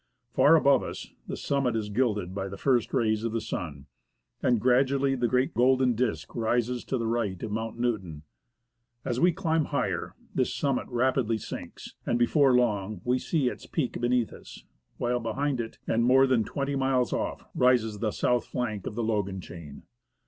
Far above us, the summit is gilded by the first rays of the sun, and gradually the great golden disk rises to the right of Mount Newton. As we climb higher, this summit rapidly sinks, and before long we see its peak beneath us, while behind it, and more than twenty miles off, rises the south flank of the Logan chain.